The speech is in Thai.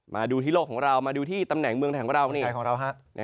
มาดูที่โลกของเรามาดูที่ตำแหน่งเมืองไทยของเรา